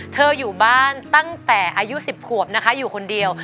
อยู่บ้านตั้งแต่อายุ๑๐ขวบนะคะอยู่คนเดียว